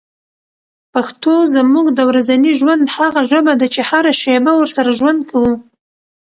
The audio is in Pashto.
پښتو زموږ د ورځني ژوند هغه ژبه ده چي هره شېبه ورسره ژوند کوو.